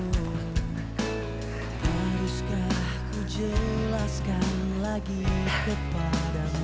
haruskah ku jelaskan lagi kepadamu